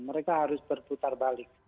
mereka harus berputar balik